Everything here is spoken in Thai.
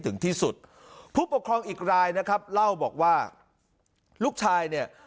ถึงที่สุดผู้ปกครองอีกรายนะครับเล่าบอกว่าลูกชายเนี่ย